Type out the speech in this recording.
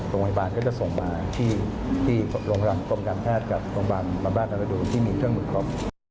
โรงพยาบาลก็จะส่งมาที่โรงการแพทย์กับโรงพยาบาลบำราชนาราดูนที่มีเครื่องหมุนครอบ